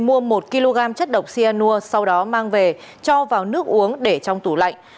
mua một kg chất độc cyanur sau đó mang về cho vào nước uống để trong tủ lạnh